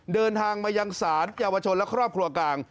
เดินทางมายังศาลเยาวชนและครอบครัวกลาง